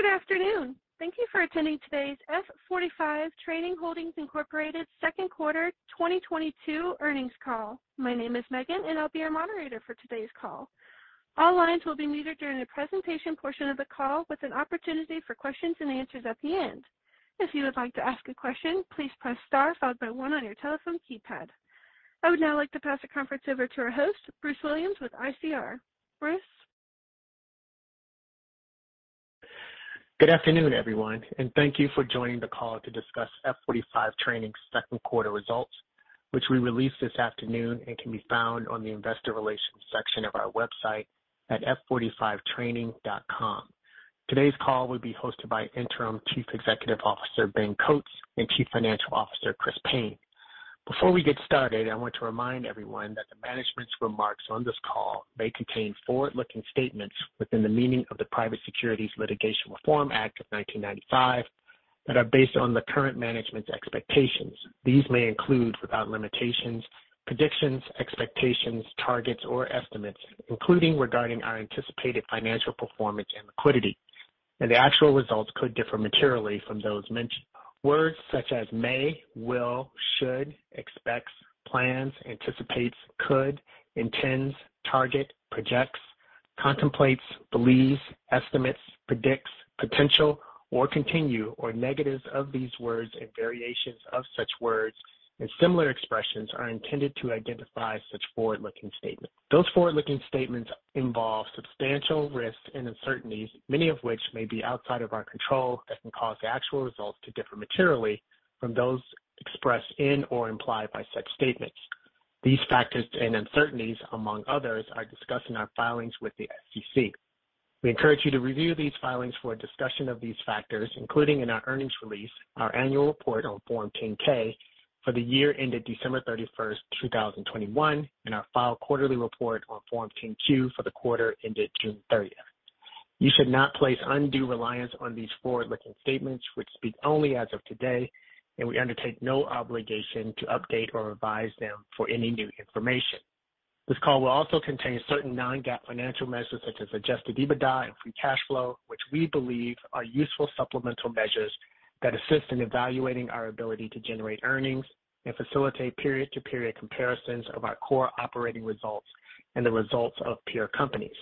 Good afternoon. Thank you for attending today's F45 Training Holdings Incorporated Q2 2022 earnings call. My name is Megan, and I'll be your moderator for today's call. All lines will be muted during the presentation portion of the call with an opportunity for questions and answers at the end. If you would like to ask a question, please press star followed by one on your telephone keypad. I would now like to pass the conference over to our host, Bruce Williams with ICR. Bruce. Good afternoon, everyone, and thank you for joining the call to discuss F45 Training Q2 results, which we released this afternoon and can be found on the investor relations section of our website at f45training.com. Today's call will be hosted by Interim Chief Executive Officer Ben Coates and Chief Financial Officer Chris Payne. Before we get started, I want to remind everyone that the management's remarks on this call may contain forward-looking statements within the meaning of the Private Securities Litigation Reform Act of 1995 that are based on the current management's expectations. These may include, without limitations, predictions, expectations, targets, or estimates, including regarding our anticipated financial performance and liquidity. The actual results could differ materially from those mentioned. Words such as may, will, should, expects, plans, anticipates, could, intends, target, projects, contemplates, believes, estimates, predicts, potential, or continue, or negatives of these words and variations of such words and similar expressions are intended to identify such forward-looking statements. Those forward-looking statements involve substantial risks and uncertainties, many of which may be outside of our control, that can cause the actual results to differ materially from those expressed in or implied by such statements. These factors and uncertainties, among others, are discussed in our filings with the SEC. We encourage you to review these filings for a discussion of these factors, including in our earnings release, our annual report on Form 10-K for the year ended December 31, 2021, and our filed quarterly report on Form 10-Q for the quarter ended June 30. You should not place undue reliance on these forward-looking statements which speak only as of today, and we undertake no obligation to update or revise them for any new information. This call will also contain certain non-GAAP financial measures such as adjusted EBITDA and free cash flow, which we believe are useful supplemental measures that assist in evaluating our ability to generate earnings and facilitate period-to-period comparisons of our core operating results and the results of peer companies.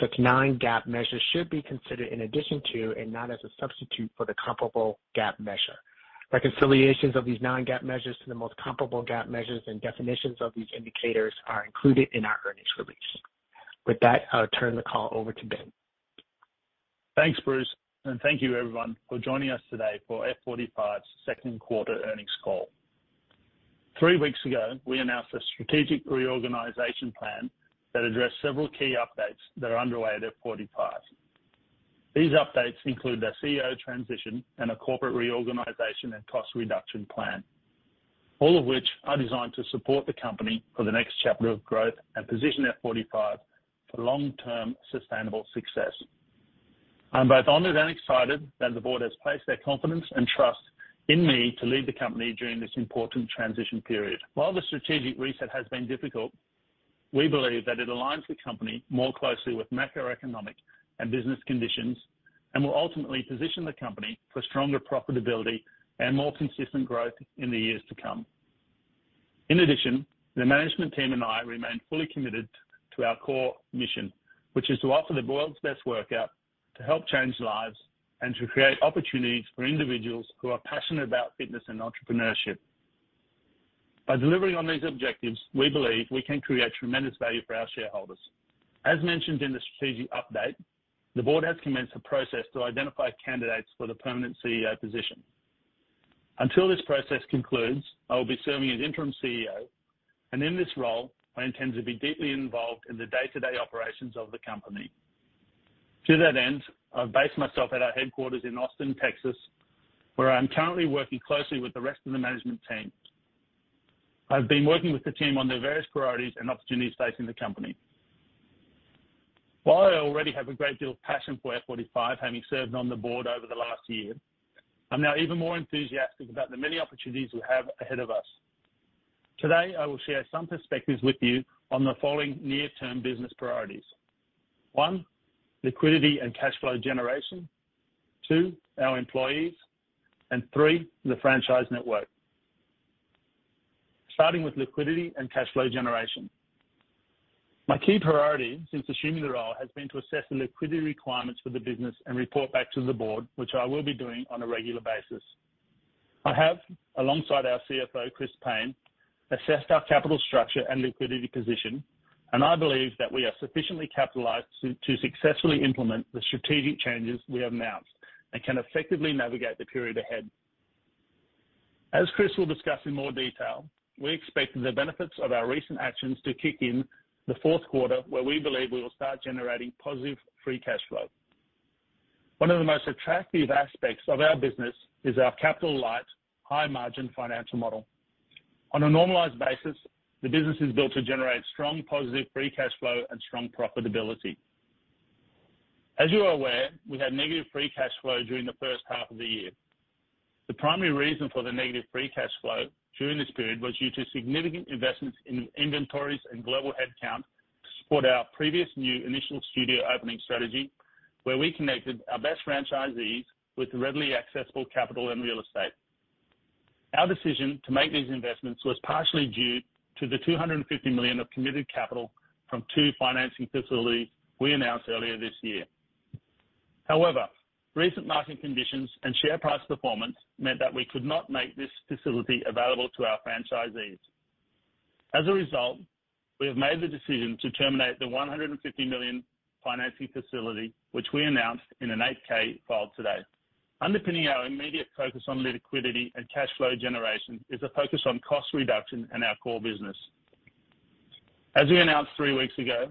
Such non-GAAP measures should be considered in addition to and not as a substitute for the comparable GAAP measure. Reconciliations of these non-GAAP measures to the most comparable GAAP measures and definitions of these indicators are included in our earnings release. With that, I'll turn the call over to Ben. Thanks, Bruce, and thank you everyone for joining us today for F45's second quarter earnings call. Three weeks ago, we announced a strategic reorganization plan that addressed several key updates that are underway at F45. These updates include our CEO transition and a corporate reorganization and cost reduction plan, all of which are designed to support the company for the next chapter of growth and position F45 for long-term sustainable success. I'm both honored and excited that the board has placed their confidence and trust in me to lead the company during this important transition period. While the strategic reset has been difficult, we believe that it aligns the company more closely with macroeconomic and business conditions and will ultimately position the company for stronger profitability and more consistent growth in the years to come. In addition, the management team and I remain fully committed to our core mission, which is to offer the world's best workout to help change lives and to create opportunities for individuals who are passionate about fitness and entrepreneurship. By delivering on these objectives, we believe we can create tremendous value for our shareholders. As mentioned in the strategic update, the board has commenced a process to identify candidates for the permanent CEO position. Until this process concludes, I will be serving as interim CEO, and in this role, I intend to be deeply involved in the day-to-day operations of the company. To that end, I've based myself at our headquarters in Austin, Texas, where I'm currently working closely with the rest of the management team. I've been working with the team on the various priorities and opportunities facing the company. While I already have a great deal of passion for F45, having served on the board over the last year, I'm now even more enthusiastic about the many opportunities we have ahead of us. Today, I will share some perspectives with you on the following near-term business priorities. One, liquidity and cash flow generation. Two, our employees. And three, the franchise network. Starting with liquidity and cash flow generation. My key priority since assuming the role has been to assess the liquidity requirements for the business and report back to the board, which I will be doing on a regular basis. I have, alongside our CFO, Chris Payne, assessed our capital structure and liquidity position, and I believe that we are sufficiently capitalized to successfully implement the strategic changes we have announced and can effectively navigate the period ahead. As Chris will discuss in more detail, we expect the benefits of our recent actions to kick in the Q4, where we believe we will start generating positive free cash flow. One of the most attractive aspects of our business is our capital light, high margin financial model. On a normalized basis, the business is built to generate strong positive free cash flow and strong profitability. As you are aware, we had negative free cash flow during the first half of the year. The primary reason for the negative free cash flow during this period was due to significant investments in inventories and global headcount to support our previous new initial studio opening strategy, where we connected our best franchisees with readily accessible capital and real estate. Our decision to make these investments was partially due to the $250 million of committed capital from two financing facilities we announced earlier this year. However, recent market conditions and share price performance meant that we could not make this facility available to our franchisees. As a result, we have made the decision to terminate the $150 million financing facility, which we announced in a Form 8-K filed today. Underpinning our immediate focus on liquidity and cash flow generation is a focus on cost reduction in our core business. As we announced three weeks ago,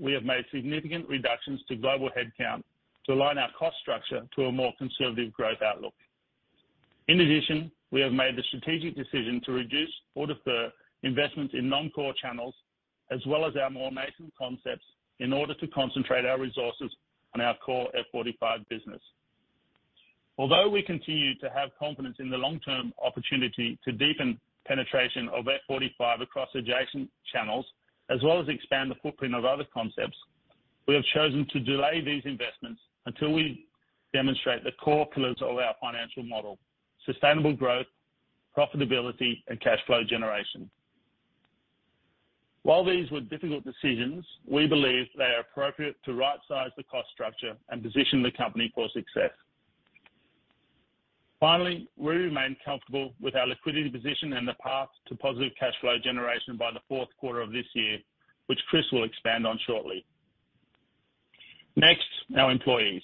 we have made significant reductions to global headcount to align our cost structure to a more conservative growth outlook. In addition, we have made the strategic decision to reduce or defer investments in non-core channels as well as our more nascent concepts in order to concentrate our resources on our core F45 business. Although we continue to have confidence in the long-term opportunity to deepen penetration of F45 across adjacent channels as well as expand the footprint of other concepts, we have chosen to delay these investments until we demonstrate the core pillars of our financial model, sustainable growth, profitability, and cash flow generation. While these were difficult decisions, we believe they are appropriate to right-size the cost structure and position the company for success. Finally, we remain comfortable with our liquidity position and the path to positive cash flow generation by the Q4 of this year, which Chris will expand on shortly. Next, our employees.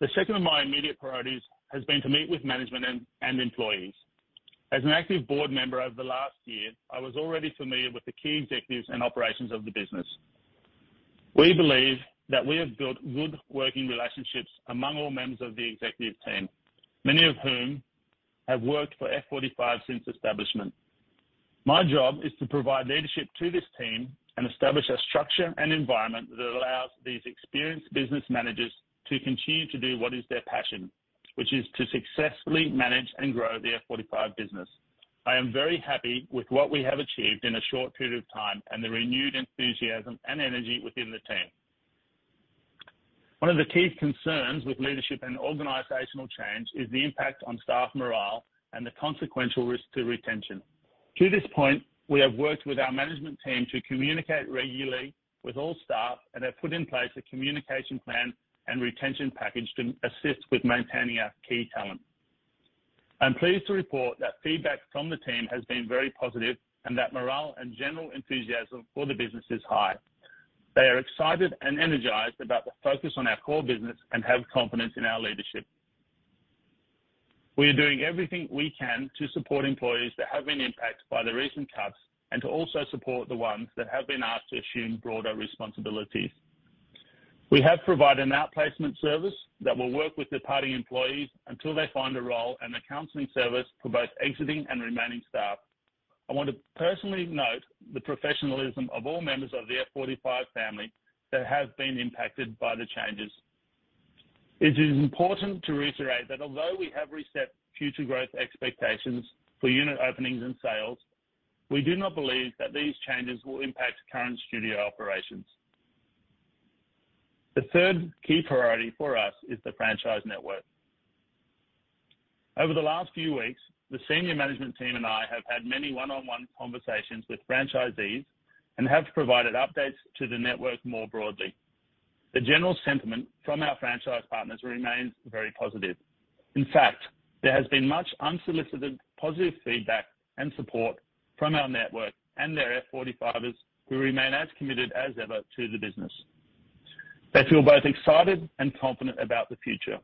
The second of my immediate priorities has been to meet with management and employees. As an active board member over the last year, I was already familiar with the key executives and operations of the business. We believe that we have built good working relationships among all members of the executive team, many of whom have worked for F45 since establishment. My job is to provide leadership to this team and establish a structure and environment that allows these experienced business managers to continue to do what is their passion, which is to successfully manage and grow the F45 business. I am very happy with what we have achieved in a short period of time and the renewed enthusiasm and energy within the team. One of the key concerns with leadership and organizational change is the impact on staff morale and the consequential risk to retention. To this point, we have worked with our management team to communicate regularly with all staff and have put in place a communication plan and retention package to assist with maintaining our key talent. I'm pleased to report that feedback from the team has been very positive, and that morale and general enthusiasm for the business is high. They are excited and energized about the focus on our core business and have confidence in our leadership. We are doing everything we can to support employees that have been impacted by the recent cuts and to also support the ones that have been asked to assume broader responsibilities. We have provided an outplacement service that will work with departing employees until they find a role and a counseling service for both exiting and remaining staff. I want to personally note the professionalism of all members of the F45 family that have been impacted by the changes. It is important to reiterate that although we have reset future growth expectations for unit openings and sales, we do not believe that these changes will impact current studio operations. The third key priority for us is the franchise network. Over the last few weeks, the senior management team and I have had many one-on-one conversations with franchisees and have provided updates to the network more broadly. The general sentiment from our franchise partners remains very positive. In fact, there has been much unsolicited positive feedback and support from our network and their F45s, who remain as committed as ever to the business. They feel both excited and confident about the future.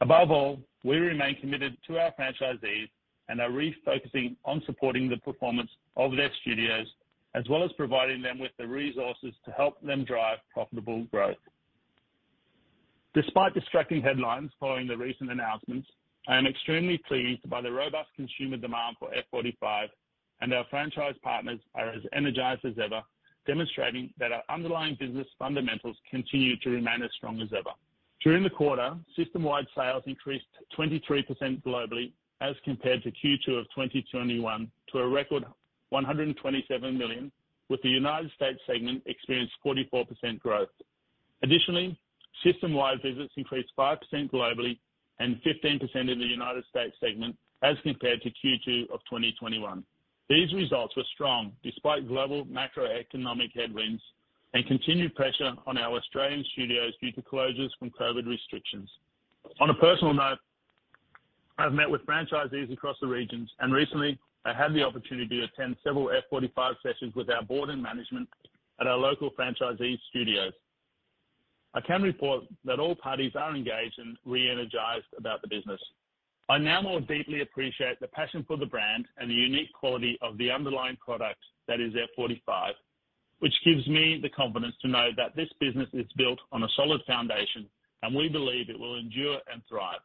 Above all, we remain committed to our franchisees and are refocusing on supporting the performance of their studios as well as providing them with the resources to help them drive profitable growth. Despite distracting headlines following the recent announcements, I am extremely pleased by the robust consumer demand for F45 and our franchise partners are as energized as ever, demonstrating that our underlying business fundamentals continue to remain as strong as ever. During the quarter, system-wide sales increased 23% globally as compared to Q2 of 2021 to a record $127 million, with the United States segment experiencing 44% growth. Additionally, system-wide visits increased 5% globally and 15% in the United States segment as compared to Q2 of 2021. These results were strong despite global macroeconomic headwinds and continued pressure on our Australian studios due to closures from COVID restrictions. On a personal note, I've met with franchisees across the regions, and recently I had the opportunity to attend several F45 sessions with our board and management at our local franchisee studios. I can report that all parties are engaged and re-energized about the business. I now more deeply appreciate the passion for the brand and the unique quality of the underlying product that is F45, which gives me the confidence to know that this business is built on a solid foundation, and we believe it will endure and thrive.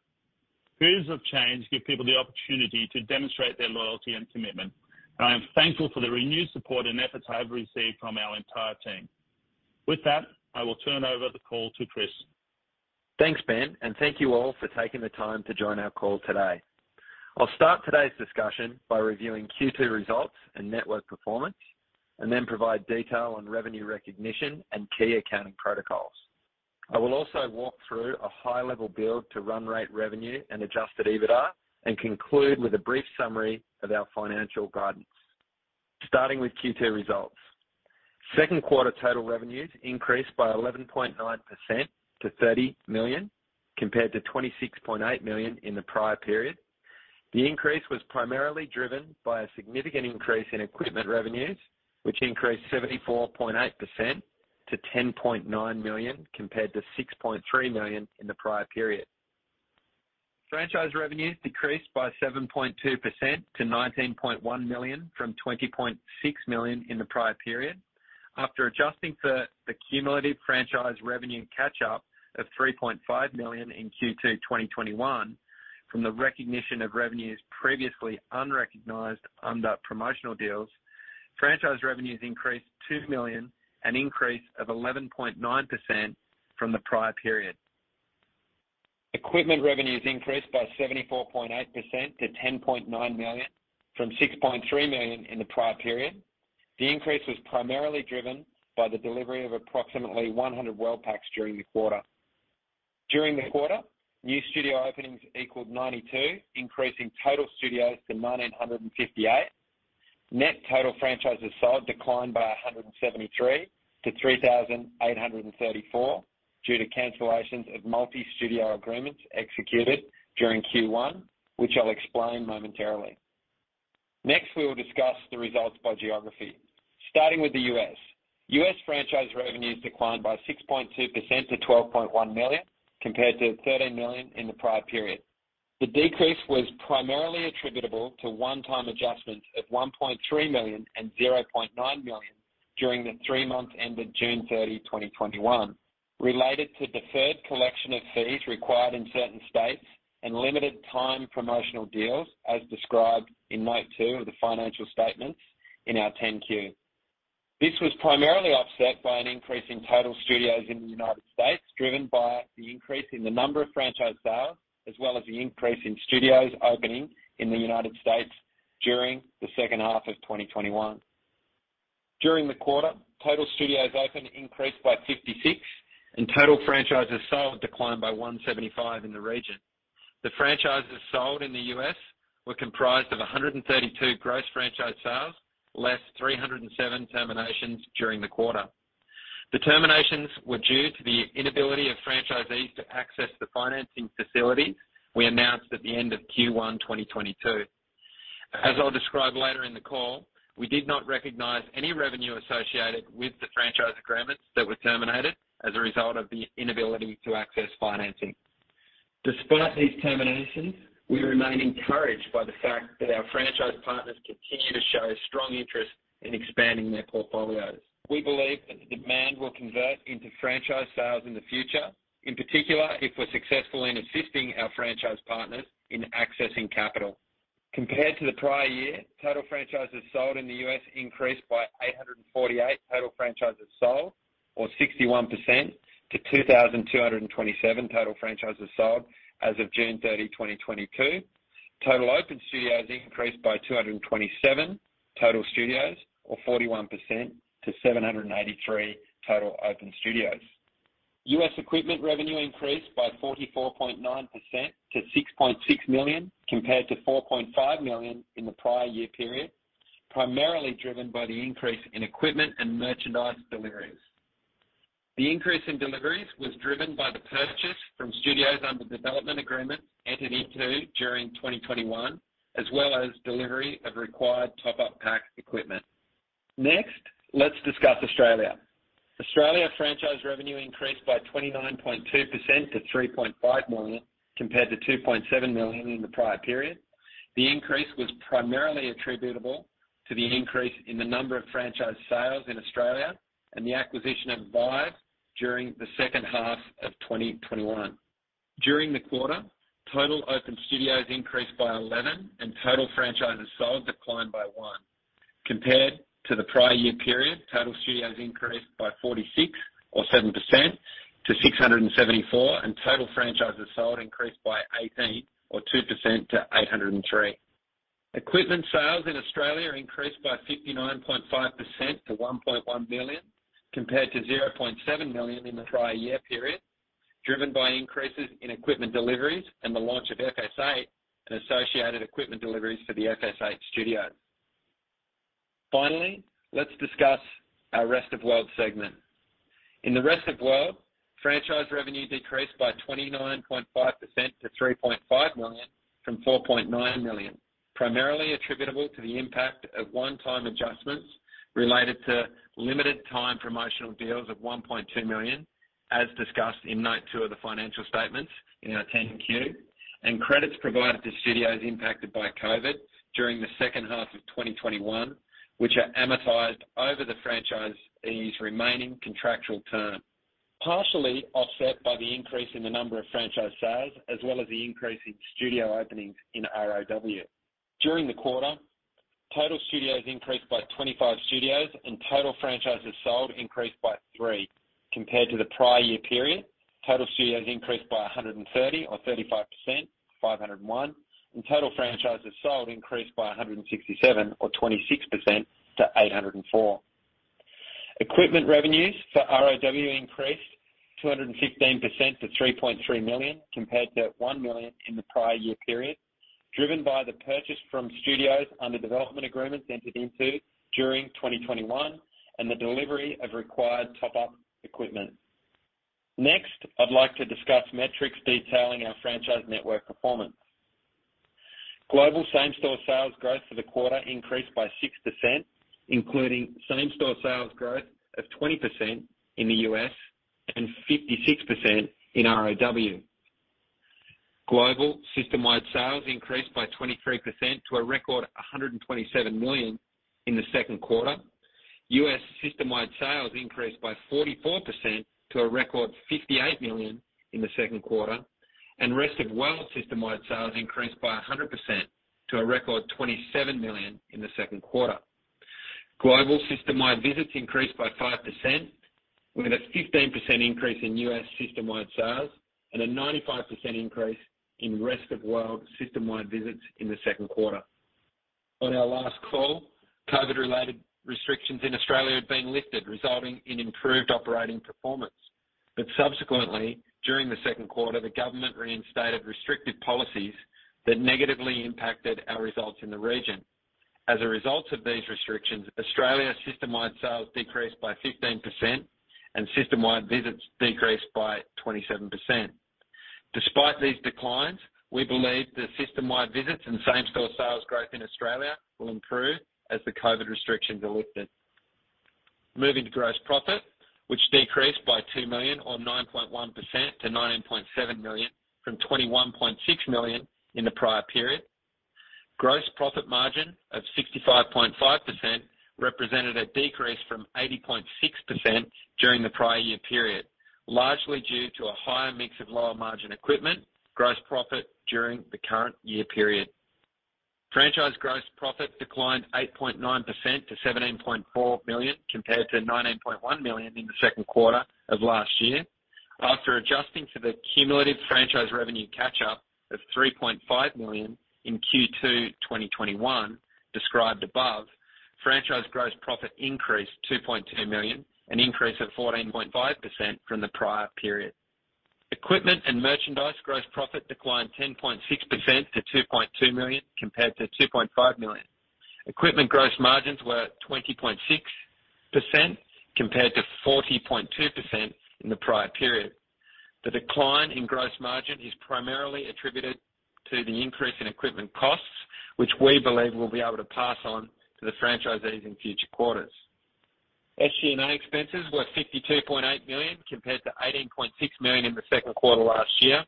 Periods of change give people the opportunity to demonstrate their loyalty and commitment, and I am thankful for the renewed support and efforts I have received from our entire team. With that, I will turn over the call to Chris. Thanks, Ben, and thank you all for taking the time to join our call today. I'll start today's discussion by reviewing Q2 results and network performance, and then provide detail on revenue recognition and key accounting protocols. I will also walk through a high-level build to run rate revenue and adjusted EBITDA, and conclude with a brief summary of our financial guidance. Starting with Q2 results. Q2 total revenues increased by 11.9% to $30 million, compared to $26.8 million in the prior period. The increase was primarily driven by a significant increase in equipment revenues, which increased 74.8% to $10.9 million, compared to $6.3 million in the prior period. Franchise revenues decreased by 7.2% to $19.1 million from $20.6 million in the prior period. After adjusting for the cumulative franchise revenue catch-up of $3.5 million in Q2 2021 from the recognition of revenues previously unrecognized under promotional deals. Franchise revenues increased $2 million, an increase of 11.9% from the prior period. Equipment revenues increased by 74.8% to $10.9 million from $6.3 million in the prior period. The increase was primarily driven by the delivery of approximately 100 WorldPacks during the quarter. During the quarter, new studio openings equaled 92, increasing total studios to 958. Net total franchises sold declined by 173-3,834 due to cancellations of multi-studio agreements executed during Q1, which I'll explain momentarily. Next, we will discuss the results by geography, starting with the U.S. US franchise revenues declined by 6.2% to $12.1 million, compared to $13 million in the prior period. The decrease was primarily attributable to one-time adjustments of $1.3 million and $0.9 million during the three months ended June 30, 2021. Related to deferred collection of fees required in certain states and limited time promotional deals, as described in note two of the financial statements in our 10-Q. This was primarily offset by an increase in total studios in the United States, driven by the increase in the number of franchise sales, as well as the increase in studios opening in the United States during the second half of 2021. During the quarter, total studios open increased by 56, and total franchises sold declined by 175 in the region. The franchises sold in the U.S. were comprised of 132 gross franchise sales, less 307 terminations during the quarter. The terminations were due to the inability of franchisees to access the financing facility we announced at the end of Q1 2022. As I'll describe later in the call, we did not recognize any revenue associated with the franchise agreements that were terminated as a result of the inability to access financing. Despite these terminations, we remain encouraged by the fact that our franchise partners continue to show a strong interest in expanding their portfolios. We believe that the demand will convert into franchise sales in the future, in particular, if we're successful in assisting our franchise partners in accessing capital. Compared to the prior year, total franchises sold in the U.S. increased by 848 total franchises sold or 61% to 2,227 total franchises sold as of June 30, 2022. Total open studios increased by 227 total studios or 41% to 783 total open studios. US equipment revenue increased by 44.9% to $6.6 million, compared to $4.5 million in the prior year period, primarily driven by the increase in equipment and merchandise deliveries. The increase in deliveries was driven by the purchase from studios under development agreement entered into during 2021, as well as delivery of required top-up pack equipment. Next, let's discuss Australia. Australia franchise revenue increased by 29.2% to $3.5 million, compared to $2.7 million in the prior period. The increase was primarily attributable to the increase in the number of franchise sales in Australia and the acquisition of Vive during the second half of 2021. During the quarter, total open studios increased by 11, and total franchises sold declined by one. Compared to the prior year period, total studios increased by 46 or 7% to 674, and total franchises sold increased by 18 or 2% to 803. Equipment sales in Australia increased by 59.5% to $1.1 million, compared to $0.7 million in the prior year period, driven by increases in equipment deliveries and the launch of FS8 and associated equipment deliveries for the FS8 studio. Finally, let's discuss our rest of world segment. In the rest of world, franchise revenue decreased by 29.5% to $3.5 million from $4.9 million, primarily attributable to the impact of one-time adjustments related to limited time promotional deals of $1.2 million, as discussed in note two of the financial statements in our 10-Q. Credits provided to studios impacted by COVID during the second half of 2021, which are amortized over the franchisee's remaining contractual term, partially offset by the increase in the number of franchise sales, as well as the increase in studio openings in ROW. During the quarter, total studios increased by 25 studios, and total franchises sold increased by three compared to the prior year period. Total studios increased by 130 or 35% to 501, and total franchises sold increased by 167 or 26% to 804. Equipment revenues for ROW increased 215% to $3.3 million compared to $1 million in the prior year period, driven by the purchase from studios under development agreements entered into during 2021 and the delivery of required top-up equipment. Next, I'd like to discuss metrics detailing our franchise network performance. Global same-store sales growth for the quarter increased by 6%, including same-store sales growth of 20% in the U.S. and 56% in ROW. Global system-wide sales increased by 23% to a record $127 million in the Q2. US system-wide sales increased by 44% to a record $58 million in the Q2, and rest of world system-wide sales increased by 100% to a record $27 million in the Q2. Global system-wide visits increased by 5%, with a 15% increase in US system-wide sales and a 95% increase in rest-of-world system-wide visits in the second quarter. On our last call, COVID-related restrictions in Australia had been lifted, resulting in improved operating performance. Subsequently, during the Q2, the government reinstated restrictive policies that negatively impacted our results in the region. As a result of these restrictions, Australia system-wide sales decreased by 15% and system-wide visits decreased by 27%. Despite these declines, we believe that system-wide visits and same-store sales growth in Australia will improve as the COVID restrictions are lifted. Moving to gross profit, which decreased by $2 million or 9.1% to $9.7 million from $21.6 million in the prior period. Gross profit margin of 65.5% represented a decrease from 80.6% during the prior year period, largely due to a higher mix of lower margin equipment gross profit during the current year period. Franchise gross profit declined 8.9% to $17.4 million compared to $19.1 million in the Q2 of last year. After adjusting for the cumulative franchise revenue catch up of $3.5 million in Q2 2021 described above, franchise gross profit increased $2.2 million, an increase of 14.5% from the prior period. Equipment and merchandise gross profit declined 10.6% to $2.2 million, compared to $2.5 million. Equipment gross margins were 20.6% compared to 40.2% in the prior period. The decline in gross margin is primarily attributed to the increase in equipment costs, which we believe we'll be able to pass on to the franchisees in future quarters. SG&A expenses were $52.8 million compared to $18.6 million in the second quarter last year.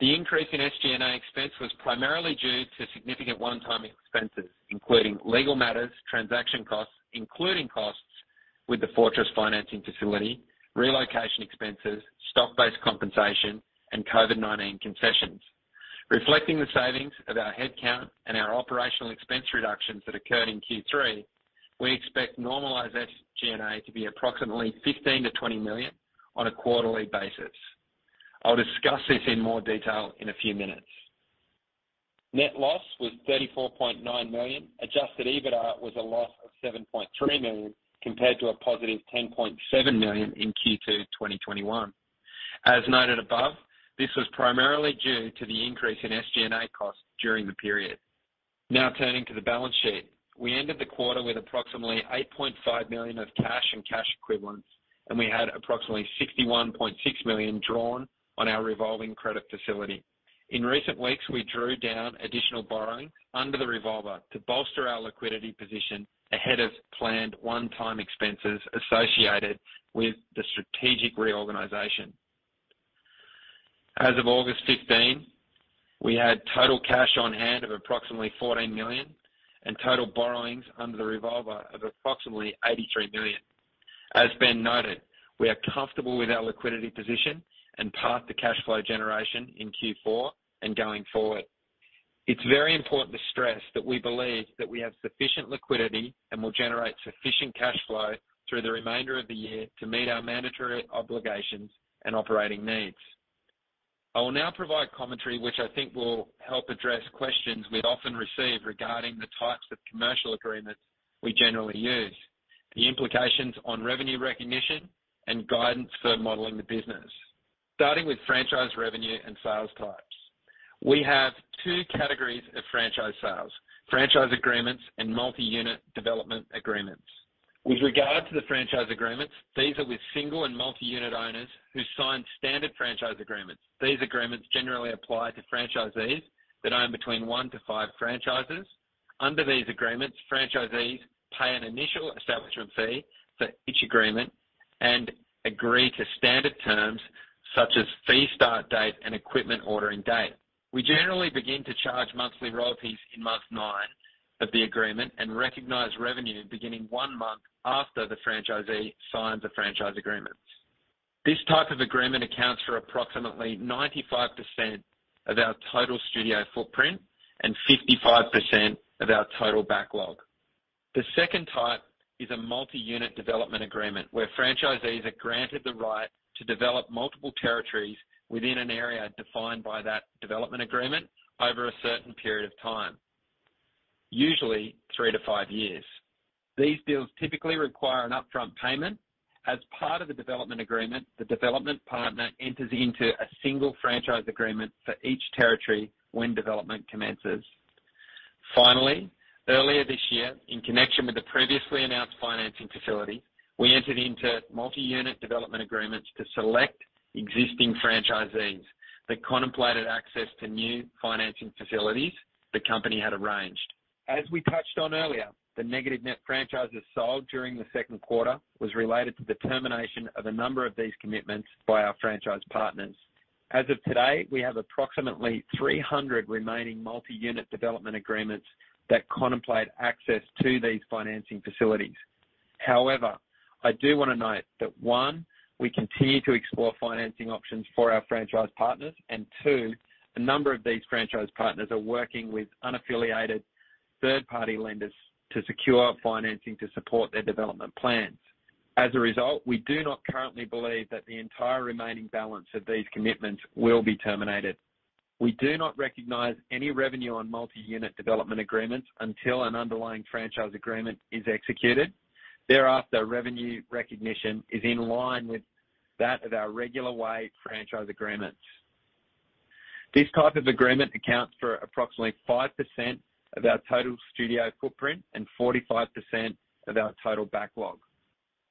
The increase in SG&A expense was primarily due to significant one-time expenses, including legal matters, transaction costs, including costs with the Fortress financing facility, relocation expenses, stock-based compensation, and COVID-19 concessions. Reflecting the savings of our headcount and our operational expense reductions that occurred in Q3, we expect normalized SG&A to be approximately $15 million-$20 million on a quarterly basis. I'll discuss this in more detail in a few minutes. Net loss was $34.9 million. Adjusted EBITDA was a loss of $7.3 million compared to a positive $10.7 million in Q2 2021. As noted above, this was primarily due to the increase in SG&A costs during the period. Now turning to the balance sheet. We ended the quarter with approximately $8.5 million of cash and cash equivalents, and we had approximately $61.6 million drawn on our revolving credit facility. In recent weeks, we drew down additional borrowing under the revolver to bolster our liquidity position ahead of planned one-time expenses associated with the strategic reorganization. As of August 15, we had total cash on hand of approximately $14 million and total borrowings under the revolver of approximately $83 million. As Ben noted, we are comfortable with our liquidity position and path to cash flow generation in Q4 and going forward. It's very important to stress that we believe that we have sufficient liquidity and will generate sufficient cash flow through the remainder of the year to meet our mandatory obligations and operating needs. I will now provide commentary which I think will help address questions we often receive regarding the types of commercial agreements we generally use, the implications on revenue recognition, and guidance for modeling the business. Starting with franchise revenue and sales types. We have two categories of franchise sales: franchise agreements and multi-unit development agreements. With regard to the franchise agreements, these are with single and multi-unit owners who sign standard franchise agreements. These agreements generally apply to franchisees that own between one to five franchises. Under these agreements, franchisees pay an initial establishment fee for each agreement and agree to standard terms such as fee start date and equipment ordering date. We generally begin to charge monthly royalties in month nine of the agreement and recognize revenue beginning one month after the franchisee signs the franchise agreement. This type of agreement accounts for approximately 95% of our total studio footprint and 55% of our total backlog. The second type is a multi-unit development agreement, where franchisees are granted the right to develop multiple territories within an area defined by that development agreement over a certain period of time, usually 3-5 years. These deals typically require an upfront payment. As part of the development agreement, the development partner enters into a single franchise agreement for each territory when development commences. Finally, earlier this year, in connection with the previously announced financing facility, we entered into multi-unit development agreements to select existing franchisees that contemplated access to new financing facilities the company had arranged. As we touched on earlier, the negative net franchises sold during the second quarter was related to the termination of a number of these commitments by our franchise partners. As of today, we have approximately 300 remaining multi-unit development agreements that contemplate access to these financing facilities. However, I do wanna note that, one, we continue to explore financing options for our franchise partners, and two, a number of these franchise partners are working with unaffiliated third-party lenders to secure financing to support their development plans. As a result, we do not currently believe that the entire remaining balance of these commitments will be terminated. We do not recognize any revenue on multi-unit development agreements until an underlying franchise agreement is executed. Thereafter, revenue recognition is in line with that of our regular way franchise agreements. This type of agreement accounts for approximately 5% of our total studio footprint and 45% of our total backlog.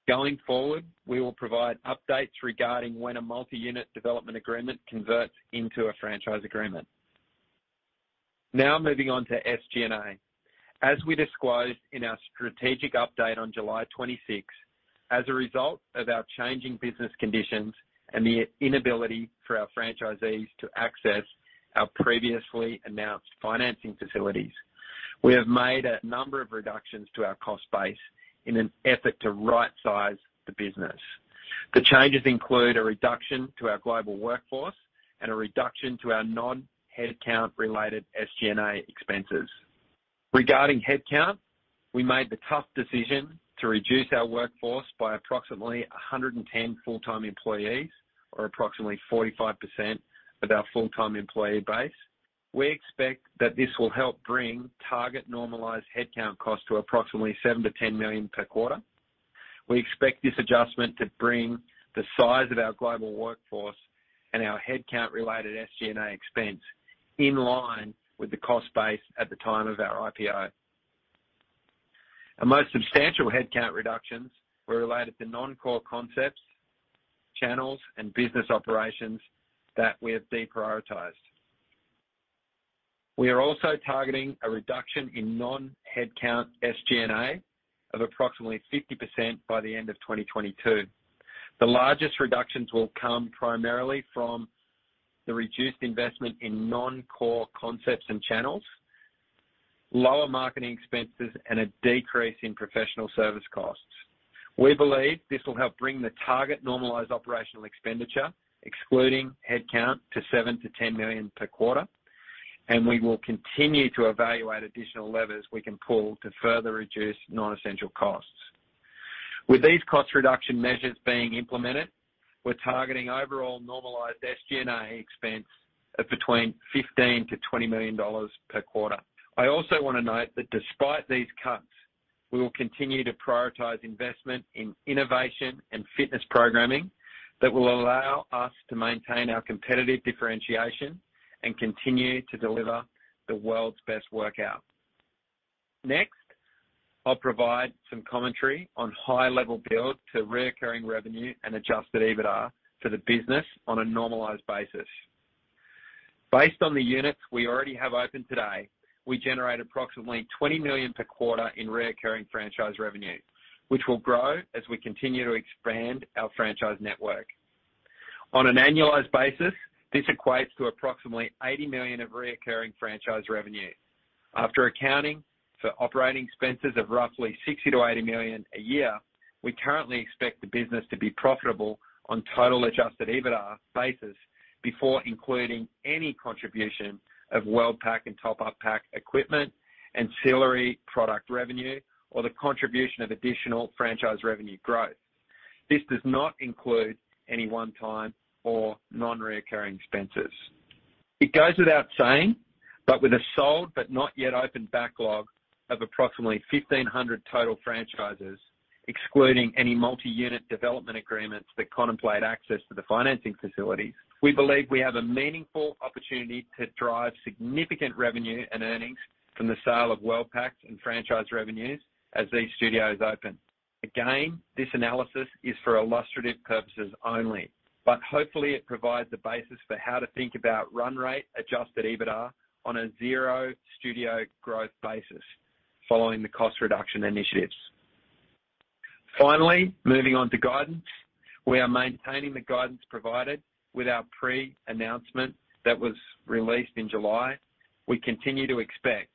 Going forward, we will provide updates regarding when a multi-unit development agreement converts into a franchise agreement. Now moving on to SG&A. As we disclosed in our strategic update on July twenty-sixth, as a result of our changing business conditions and the inability for our franchisees to access our previously announced financing facilities, we have made a number of reductions to our cost base in an effort to right-size the business. The changes include a reduction to our global workforce and a reduction to our non-headcount-related SG&A expenses. Regarding headcount, we made the tough decision to reduce our workforce by approximately 110 full-time employees, or approximately 45% of our full-time employee base. We expect that this will help bring target normalized headcount costs to approximately $7 million-$10 million per quarter. We expect this adjustment to bring the size of our global workforce and our headcount-related SG&A expense in line with the cost base at the time of our IPO. Our most substantial headcount reductions were related to non-core concepts, channels, and business operations that we have deprioritized. We are also targeting a reduction in non-headcount SG&A of approximately 50% by the end of 2022. The largest reductions will come primarily from the reduced investment in non-core concepts and channels, lower marketing expenses, and a decrease in professional service costs. We believe this will help bring the target normalized operational expenditure, excluding headcount, to $7 million-$10 million per quarter, and we will continue to evaluate additional levers we can pull to further reduce non-essential costs. With these cost reduction measures being implemented, we're targeting overall normalized SG&A expense of between $15-$20 million per quarter. I also wanna note that despite these cuts, we will continue to prioritize investment in innovation and fitness programming that will allow us to maintain our competitive differentiation and continue to deliver the world's best workout. Next, I'll provide some commentary on high-level build to recurring revenue and adjusted EBITDA for the business on a normalized basis. Based on the units we already have open today, we generate approximately $20 million per quarter in recurring franchise revenue, which will grow as we continue to expand our franchise network. On an annualized basis, this equates to approximately $80 million of recurring franchise revenue. After accounting for operating expenses of roughly $60 million-$80 million a year, we currently expect the business to be profitable on total adjusted EBITDA basis before including any contribution of WorldPack and TopUpPack equipment, ancillary product revenue, or the contribution of additional franchise revenue growth. This does not include any one-time or non-recurring expenses. It goes without saying, but with a sold but not yet open backlog of approximately 1,500 total franchises, excluding any multi-unit development agreements that contemplate access to the financing facility, we believe we have a meaningful opportunity to drive significant revenue and earnings from the sale of WorldPacks and franchise revenues as these studios open. Again, this analysis is for illustrative purposes only, but hopefully, it provides the basis for how to think about run rate adjusted EBITDA on a zero-studio growth basis following the cost reduction initiatives. Finally, moving on to guidance. We are maintaining the guidance provided with our pre-announcement that was released in July. We continue to expect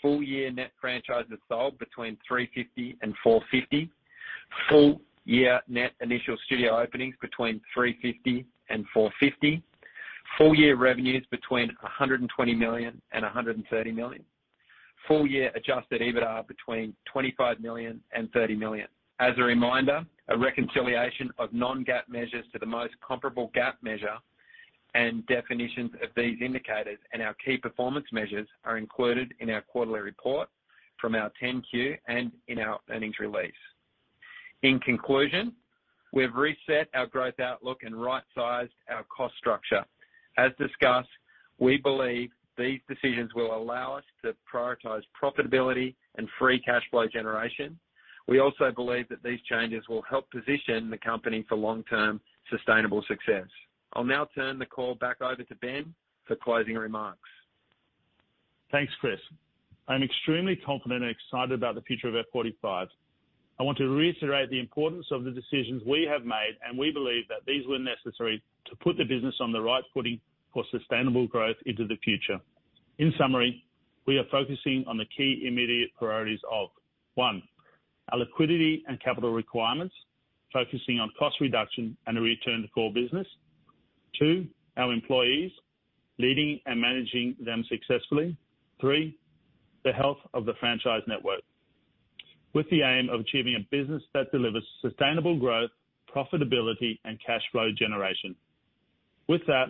full year net franchises sold between 350 and 450. Full year net initial studio openings between 350 and 450. Full year revenues between $120 million and $130 million. Full year adjusted EBITDA between $25 million and $30 million. As a reminder, a reconciliation of non-GAAP measures to the most comparable GAAP measure and definitions of these indicators and our key performance measures are included in our quarterly report from our 10-Q and in our earnings release. In conclusion, we've reset our growth outlook and right-sized our cost structure. As discussed, we believe these decisions will allow us to prioritize profitability and free cash flow generation. We also believe that these changes will help position the company for long-term sustainable success. I'll now turn the call back over to Ben for closing remarks. Thanks, Chris. I'm extremely confident and excited about the future of F45. I want to reiterate the importance of the decisions we have made, and we believe that these were necessary to put the business on the right footing for sustainable growth into the future. In summary, we are focusing on the key immediate priorities of one, our liquidity and capital requirements, focusing on cost reduction and a return to core business. Two, our employees, leading and managing them successfully. Three, the health of the franchise network with the aim of achieving a business that delivers sustainable growth, profitability, and cash flow generation. With that,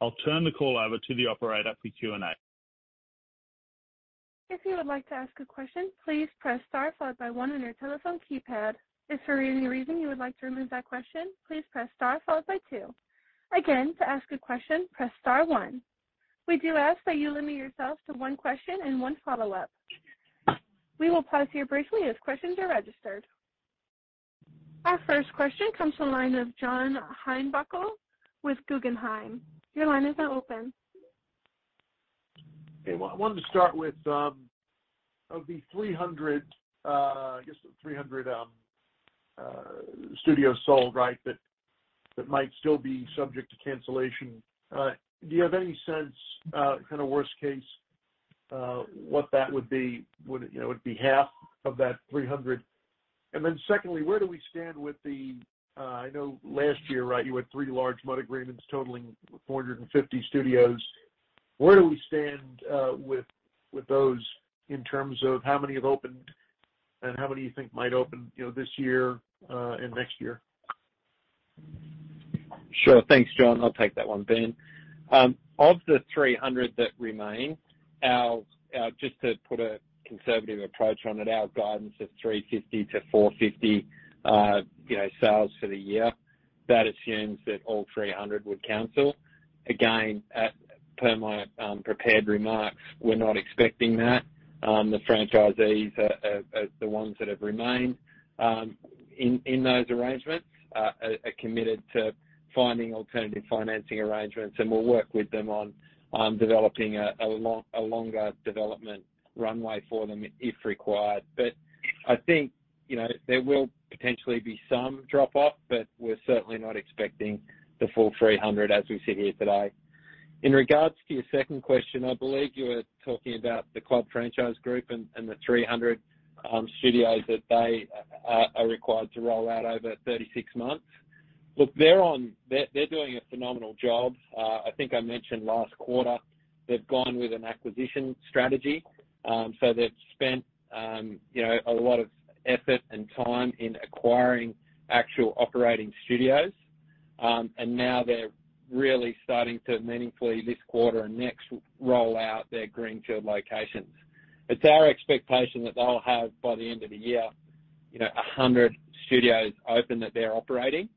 I'll turn the call over to the operator for Q&A. If you would like to ask a question, please press star followed by one on your telephone keypad. If for any reason you would like to remove that question, please press star followed by two. Again, to ask a question, press star one. We do ask that you limit yourself to one question and one follow-up. We will pause here briefly as questions are registered. Our first question comes from the line of John Heinbockel with Guggenheim. Your line is now open. Okay. Well, I wanted to start with of the 300 studios sold, right, that might still be subject to cancellation. Do you have any sense, kinda worst case, what that would be? Would it, you know, be half of that 300? And then secondly, where do we stand with the, I know last year, right, you had three large MUD agreements totaling 450 studios. Where do we stand with those in terms of how many have opened and how many you think might open, you know, this year and next year? Sure. Thanks, John. I'll take that one, Ben. Of the 300 that remain, just to put a conservative approach on it, our guidance is 350-450 sales for the year. That assumes that all 300 would cancel. Again, per my prepared remarks, we're not expecting that. The franchisees, the ones that have remained in those arrangements, are committed to finding alternative financing arrangements, and we'll work with them on developing a longer development runway for them if required. I think there will potentially be some drop off, but we're certainly not expecting the full 300 as we sit here today. In regards to your second question, I believe you were talking about the Club Franchise Group and the 300 studios that they are required to roll out over 36 months. Look, they're doing a phenomenal job. I think I mentioned last quarter they've gone with an acquisition strategy. They've spent, you know, a lot of effort and time in acquiring actual operating studios. Now they're really starting to meaningfully this quarter and next roll out their greenfield locations. It's our expectation that they'll have, by the end of the year, you know, 100 studios open that they're operating.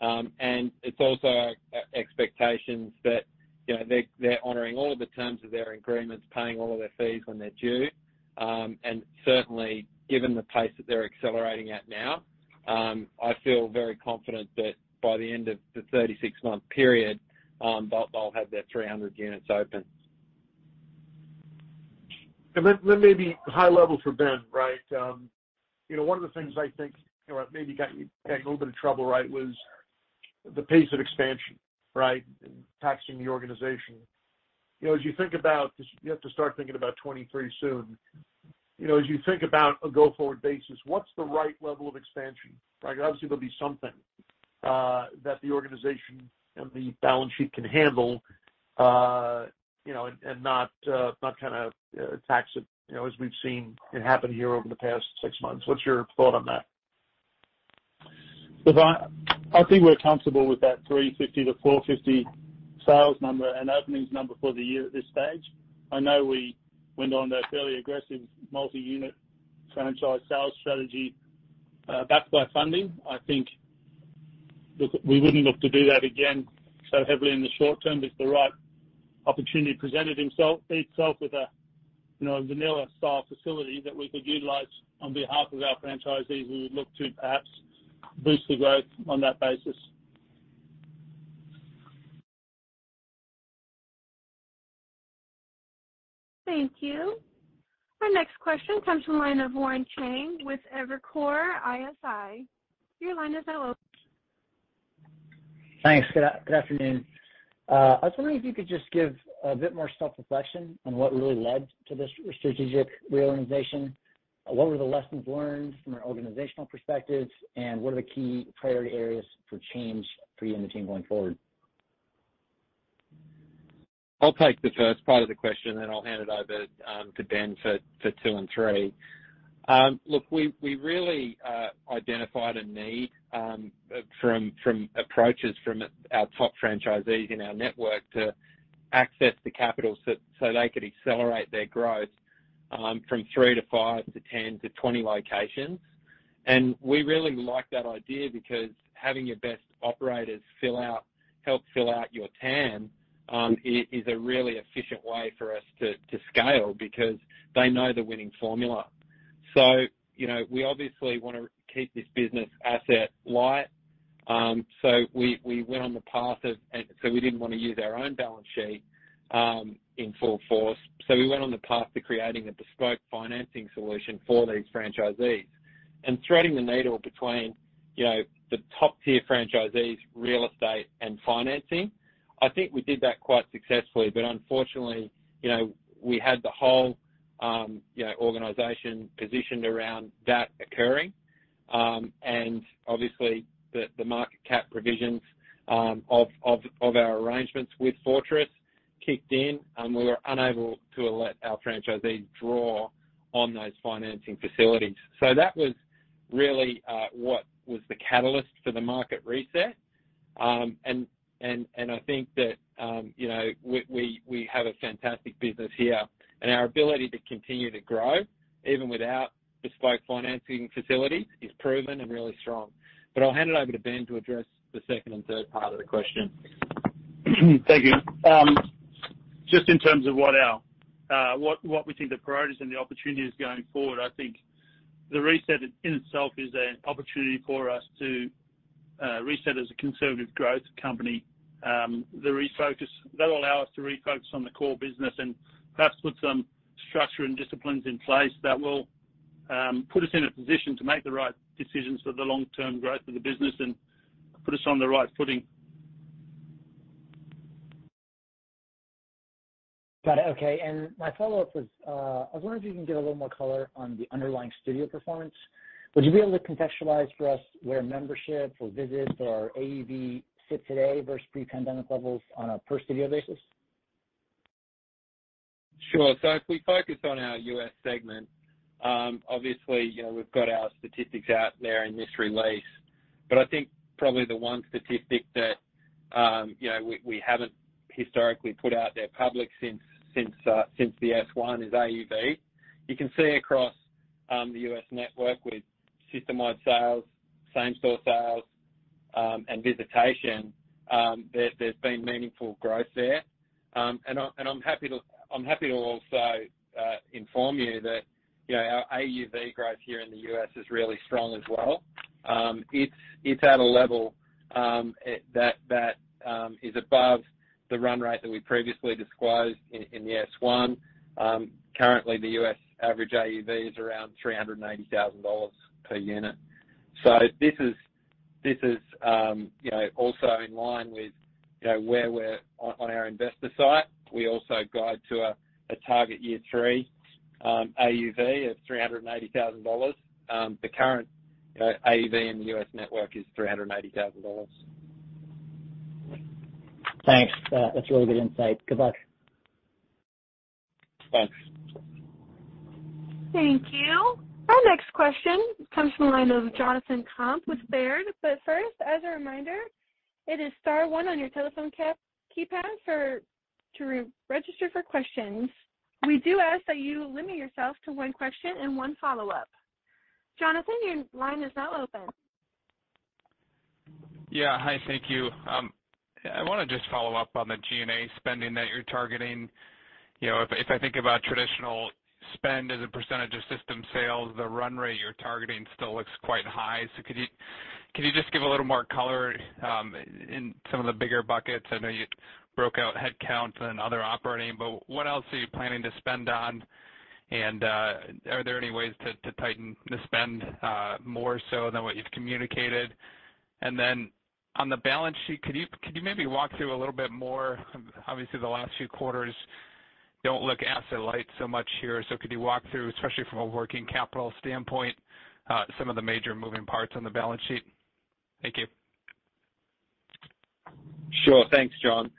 It's also our expectations that, you know, they're honoring all of the terms of their agreements, paying all of their fees when they're due. Certainly, given the pace that they're accelerating at now, I feel very confident that by the end of the 36-month period, they'll have their 300 units open. Then maybe high level for Ben, right? You know, one of the things I think or maybe got you in a little bit of trouble, right, was the pace of expansion, right? Taxing the organization. You know, as you think about this, you have to start thinking about 2023 soon. You know, as you think about a go-forward basis, what's the right level of expansion, right? Obviously, there'll be something that the organization and the balance sheet can handle, you know, and not kinda tax it, you know, as we've seen it happen here over the past six months. What's your thought on that? Look, I think we're comfortable with that 350-450 sales number and openings number for the year at this stage. I know we went on that fairly aggressive multi-unit franchise sales strategy, backed by funding. I think, look, we wouldn't look to do that again so heavily in the short term. If the right opportunity presented itself with a, you know, a vanilla-style facility that we could utilize on behalf of our franchisees, we would look to perhaps boost the growth on that basis. Thank you. Our next question comes from the line of Warren Cheng with Evercore ISI. Your line is now open. Thanks. Good afternoon. I was wondering if you could just give a bit more self-reflection on what really led to this strategic reorganization. What were the lessons learned from an organizational perspective, and what are the key priority areas for change for you and the team going forward? I'll take the first part of the question, then I'll hand it over to Ben for two and three. Look, we really identified a need from approaches from our top franchisees in our network to access the capital so they could accelerate their growth from 3 to 5 to 10 to 20 locations. We really like that idea because having your best operators help fill out your TAM is a really efficient way for us to scale because they know the winning formula. You know, we obviously wanna keep this business asset light. We didn't wanna use our own balance sheet in full force. We went on the path to creating a bespoke financing solution for these franchisees. Threading the needle between, you know, the top-tier franchisees, real estate, and financing, I think we did that quite successfully. Unfortunately, you know, we had the whole organization positioned around that occurring. Obviously, the market cap provisions of our arrangements with Fortress kicked in, and we were unable to let our franchisees draw on those financing facilities. That was really what was the catalyst for the market reset. I think that, you know, we have a fantastic business here. Our ability to continue to grow, even without bespoke financing facilities, is proven and really strong. I'll hand it over to Ben to address the second and third part of the question. Thank you. Just in terms of what we think the priorities and the opportunities going forward, I think the reset in itself is an opportunity for us to reset as a conservative growth company. The refocus that'll allow us to refocus on the core business and perhaps put some structure and disciplines in place that will put us in a position to make the right decisions for the long-term growth of the business and put us on the right footing. Got it. Okay. My follow-up was, I was wondering if you can give a little more color on the underlying studio performance. Would you be able to contextualize for us where memberships or visits or AUV sit today versus pre-pandemic levels on a per studio basis? If we focus on our U.S. segment, obviously, you know, we've got our statistics out there in this release. I think probably the one statistic that, you know, we haven't historically put out there publicly since the S-1 is AUV. You can see across the U.S. network with system-wide sales, same-store sales, and visitation, there's been meaningful growth there. I'm happy to also inform you that, you know, our AUV growth here in the U.S. is really strong as well. It's at a level that is above the run rate that we previously disclosed in the S-1. Currently, the U.S. average AUV is around $380,000 per unit. This is also in line with where we're on our investor site. We also guide to a target year three AUV of $380,000. The current AUV in the U.S. network is $380,000. Thanks. That's really good insight. Good luck. Thanks. Thank you. Our next question comes from the line of Jonathan Komp with Baird. First, as a reminder, it is star one on your telephone keypad to register for questions. We do ask that you limit yourself to one question and one follow-up. Jonathan, your line is now open. Yeah. Hi, thank you. I want to just follow up on the G&A spending that you're targeting. If I think about traditional spend as a percentage of system sales, the run rate you're targeting still looks quite high. Could you just give a little more color in some of the bigger buckets? I know you broke out headcount and other operating, but what else are you planning to spend on? Are there any ways to tighten the spend more so than what you've communicated? Then on the balance sheet, could you maybe walk through a little bit more. Obviously, the last few quarters don't look asset light so much here. Could you walk through, especially from a working capital standpoint, some of the major moving parts on the balance sheet? Thank you. Sure. Thanks, Jon.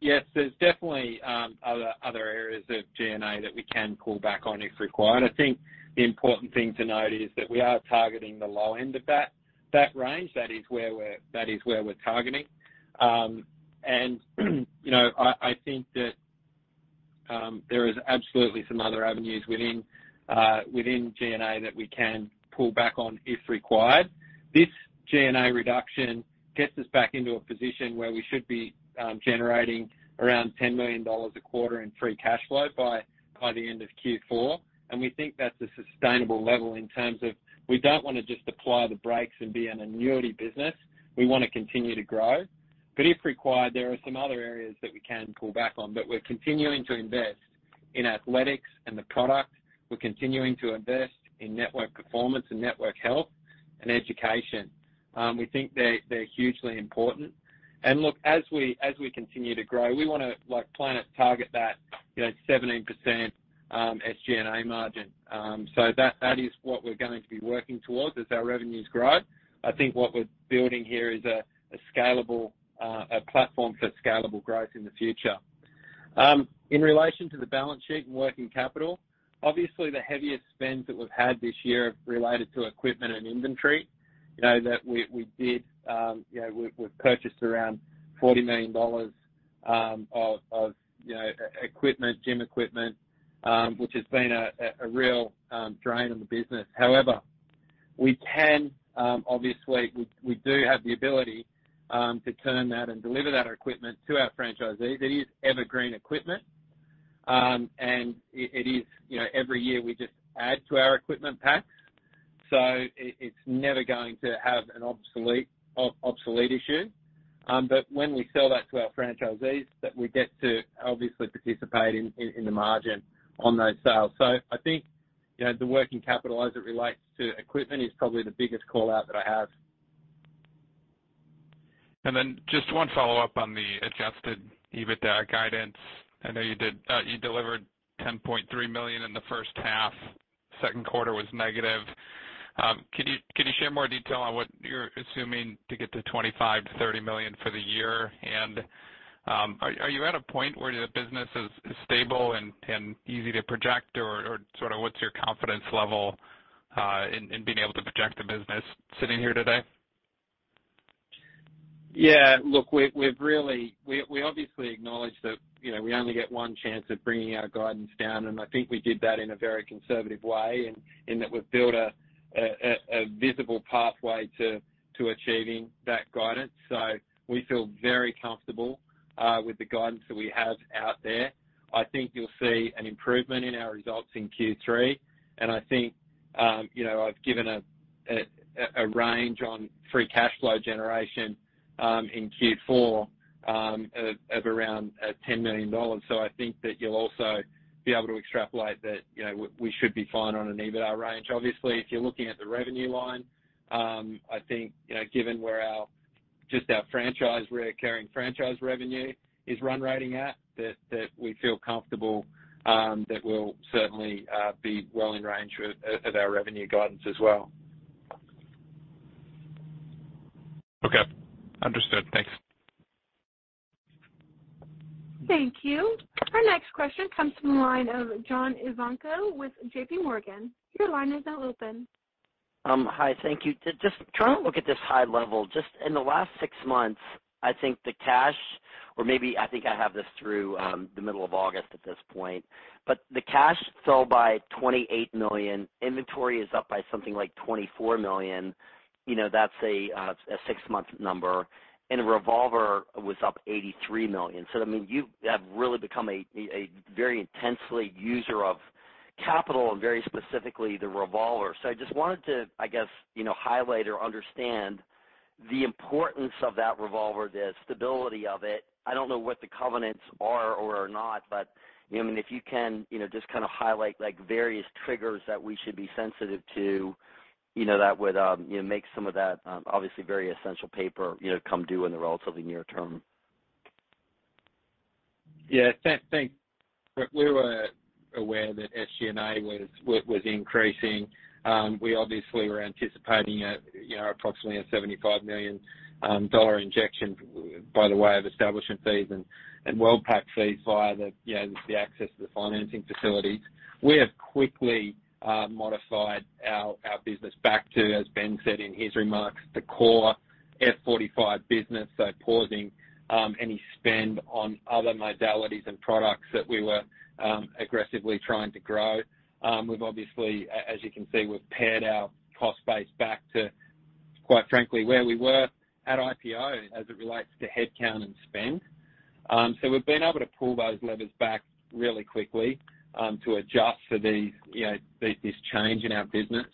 Yes, there's definitely other areas of G&A that we can pull back on if required. I think the important thing to note is that we are targeting the low end of that range. That is where we're targeting. You know, I think that there is absolutely some other avenues within G&A that we can pull back on if required. This G&A reduction gets us back into a position where we should be generating around $10 million a quarter in free cash flow by the end of Q4. We think that's a sustainable level in terms of we don't wanna just apply the brakes and be an annuity business. We wanna continue to grow. If required, there are some other areas that we can pull back on. We're continuing to invest in athletics and the product, we're continuing to invest in network performance and network health and education. We think they're hugely important. Look, as we continue to grow, we wanna like plan and target that, you know, 17% SG&A margin. So that is what we're going to be working towards as our revenues grow. I think what we're building here is a scalable platform for scalable growth in the future. In relation to the balance sheet and working capital, obviously, the heaviest spends that we've had this year related to equipment and inventory, you know, that we did, you know, we have purchased around $40 million of equipment, gym equipment, which has been a real drain on the business. However, we can obviously do have the ability to turn that and deliver that equipment to our franchisees. It is evergreen equipment. It is, you know, every year, we just add to our equipment packs, so it's never going to have an obsolete issue. When we sell that to our franchisees, that we get to obviously participate in the margin on those sales. I think, you know, the working capital as it relates to equipment is probably the biggest call-out that I have. Then just one follow-up on the adjusted EBITDA guidance. I know you delivered $10.3 million in the first half. Second quarter was negative. Could you share more detail on what you're assuming to get to $25 million-$30 million for the year? Are you at a point where the business is stable and easy to project? Or sort of what's your confidence level in being able to project the business sitting here today? Yeah. Look, we've really. We obviously acknowledge that, you know, we only get one chance at bringing our guidance down, and I think we did that in a very conservative way in that we've built a visible pathway to achieving that guidance. We feel very comfortable with the guidance that we have out there. I think you'll see an improvement in our results in Q3. I think you know, I've given a range on free cash flow generation in Q4 of around $10 million. I think that you'll also be able to extrapolate that, you know, we should be fine on an EBITDA range. Obviously, if you're looking at the revenue line, I think, you know, given where our, just our franchise, recurring franchise revenue is run rate at, that we feel comfortable that we'll certainly be well in range of our revenue guidance as well. Okay. Understood. Thanks. Thank you. Our next question comes from the line of John Ivankoe with JPMorgan. Your line is now open. Hi. Thank you. To just try and look at this high level, just in the last six months, I think I have this through the middle of August at this point. The cash fell by $28 million. Inventory is up by something like $24 million. You know, that's a six-month number. Revolver was up $83 million. I mean, you have really become a very intensely user of capital, and very specifically the revolver. I just wanted to, I guess, you know, highlight or understand the importance of that revolver, the stability of it. I don't know what the covenants are or are not, but I mean, if you can, you know, just kinda highlight like various triggers that we should be sensitive to, you know, that would, you know, make some of that obviously very essential paper, you know, come due in the relatively near term. Yeah. Thanks. We were aware that SG&A was increasing. We obviously were anticipating, you know, approximately a $75 million dollar injection by way of establishment fees and WorldPack fees via, you know, the access to the financing facilities. We have quickly modified our business back to, as Ben said in his remarks, the core F45 business, so pausing any spend on other modalities and products that we were aggressively trying to grow. We've obviously, as you can see, we've pared our cost base back to, quite frankly, where we were at IPO as it relates to headcount and spend. We've been able to pull those levers back really quickly to adjust for these, you know, this change in our business.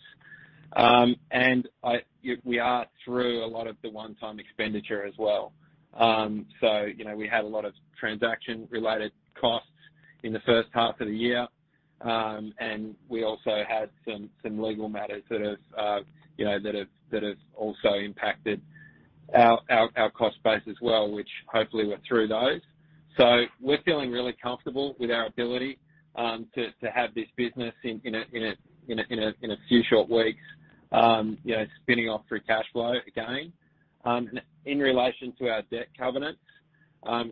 We are through a lot of the one-time expenditure as well. You know, we had a lot of transaction related costs in the first half of the year, and we also had some legal matters that have also impacted our cost base as well, which hopefully we're through those. We're feeling really comfortable with our ability to have this business in a few short weeks, you know, spinning off free cash flow again. In relation to our debt covenants,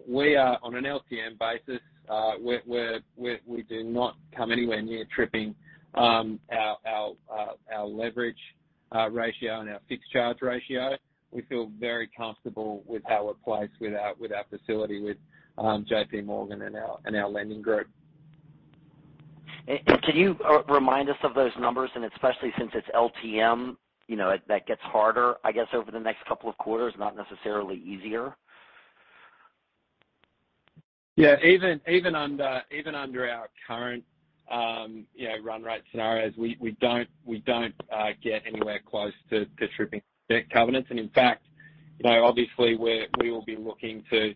we are on an LTM basis, we do not come anywhere near tripping our leverage ratio and our fixed charge ratio. We feel very comfortable with how we're placed with our facility with JPMorgan and our lending group. Can you remind us of those numbers? Especially since it's LTM, you know, that gets harder, I guess, over the next couple of quarters, not necessarily easier. Yeah. Even under our current, you know, run rate scenarios, we don't get anywhere close to tripping debt covenants. In fact, you know, obviously we will be looking to,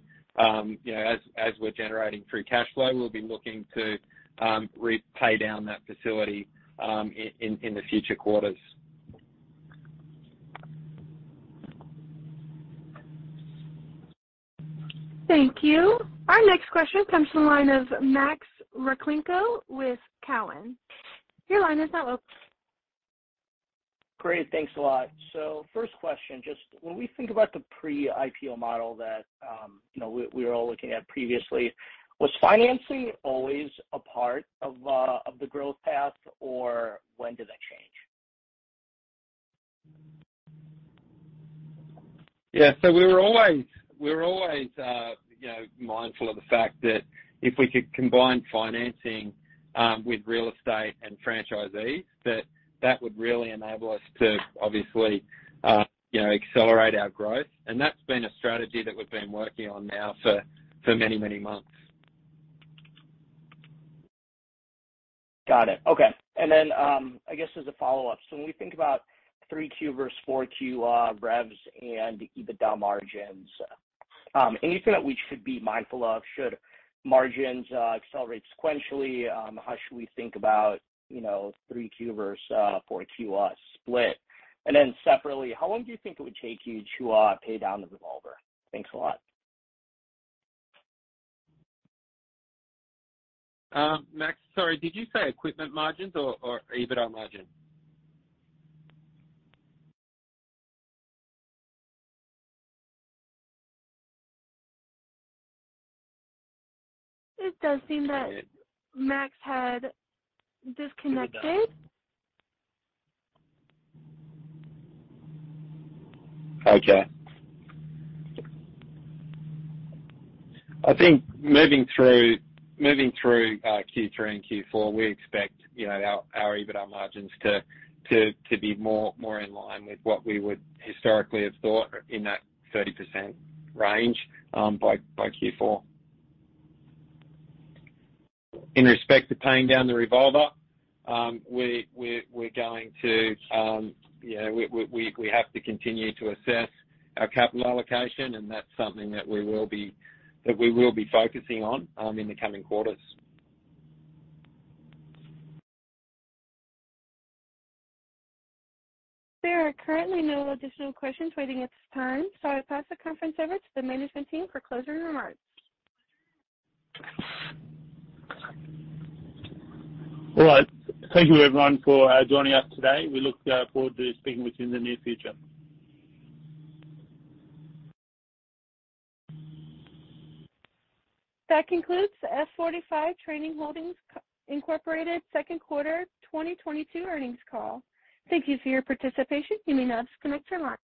you know, as we're generating free cash flow, we'll be looking to pay down that facility in the future quarters. Thank you. Our next question comes from the line of Max Rakhlenko with TD Cowen. Your line is now open. Great. Thanks a lot. First question, just when we think about the pre-IPO model that, you know, we were all looking at previously, was financing always a part of of the growth path, or when did that change? Yeah. We were always you know, mindful of the fact that if we could combine financing with real estate and franchisees, that that would really enable us to obviously you know, accelerate our growth. That's been a strategy that we've been working on now for many months. Got it. Okay. Then, I guess as a follow-up, so when we think about 3Q versus 4Q, revs and EBITDA margins, anything that we should be mindful of? Should margins accelerate sequentially? How should we think about, you know, 3Q versus 4Q split? Then separately, how long do you think it would take you to pay down the revolver? Thanks a lot. Max, sorry, did you say equipment margins or EBITDA margins? It does seem that Max had disconnected. Okay. I think moving through Q3 and Q4, we expect, you know, our EBITDA margins to be more in line with what we would historically have thought in that 30% range by Q4. In respect to paying down the revolver, we have to continue to assess our capital allocation, and that's something that we will be focusing on in the coming quarters. There are currently no additional questions waiting at this time. I'll pass the conference over to the management team for closing remarks. All right. Thank you everyone for joining us today. We look forward to speaking with you in the near future. That concludes the F45 Training Holdings Incorporated Q2 2022 earnings call. Thank you for your participation. You may now disconnect your line.